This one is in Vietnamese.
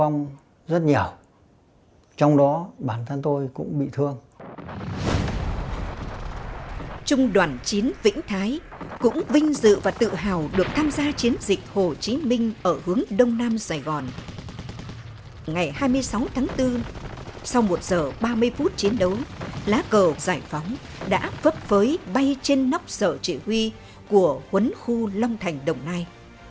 ngày hai mươi sáu tháng bốn sau một giờ ba mươi phút chiến đấu lá cờ giải phóng đã vấp phới bay trên nóc sở chỉ huy của huấn khu long thành đồng nai